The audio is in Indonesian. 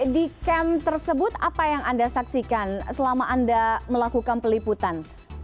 di kem tersebut apa yang anda saksikan selama anda melakukan peliputan